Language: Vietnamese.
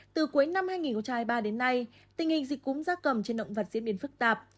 từ cuối năm hai nghìn hai mươi ba đến nay tình hình dịch cúm gia cầm trên động vật diễn biến phức tạp